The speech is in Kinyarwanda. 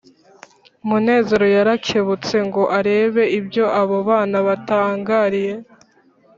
Munezero yarakebutse ngo arebe ibyo abo bana batangariye,